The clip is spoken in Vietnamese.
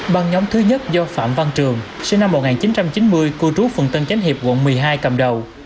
băng nhóm thứ nhất do phạm văn trường sinh năm một nghìn chín trăm chín mươi cư trú phường tân chánh hiệp quận một mươi hai cầm đầu